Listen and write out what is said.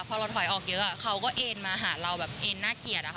พอเราถอยออกเยอะเขาก็เอ็นมาหาเราแบบเอ็นน่าเกลียดอะค่ะ